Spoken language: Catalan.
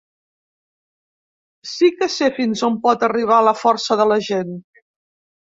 Sí que sé fins on pot arribar la força de la gent.